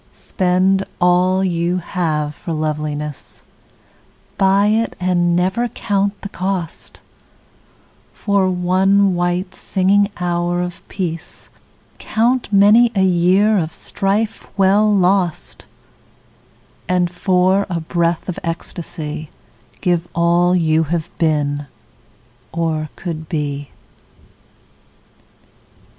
Spend all you have for loveliness, Buy it and never count the cost; For one white singing hour of peace Count many a year of strife well lost, And for a breath of ecstasy Give all you have been, or could be.